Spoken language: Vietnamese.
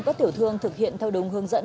các tiểu thương thực hiện theo đúng hướng dẫn